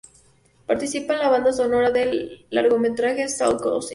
Participa en la banda sonora del largometraje "Salut cousin!